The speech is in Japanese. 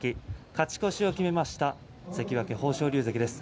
勝ち越しを決めました関脇豊昇龍関です。